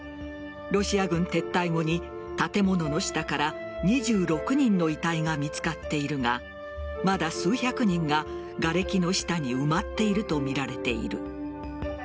ロシア軍撤退後に建物の下から２６人の遺体が見つかっているがまだ数百人ががれきの下に埋まっているとみられている。